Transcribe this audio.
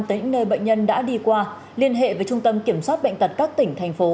tới những nơi bệnh nhân đã đi qua liên hệ với trung tâm kiểm soát bệnh tật các tỉnh thành phố